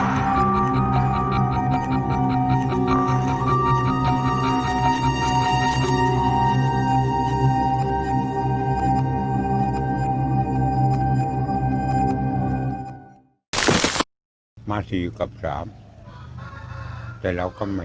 อันนั้นน่าจะเป็นวัยรุ่นที่จะเจอวันนี้